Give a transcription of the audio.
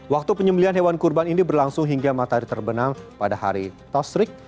waktu penyembelian hewan kurban ini berlangsung hingga matahari terbenam pada hari tasrik